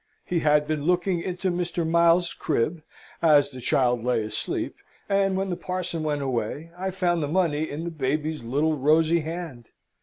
He had been looking into Mr. Miles's crib, as the child lay asleep; and, when the parson went away, I found the money in the baby's little rosy hand.